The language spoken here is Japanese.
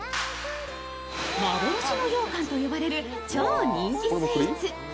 幻のようかんと呼ばれる超人気スイーツ。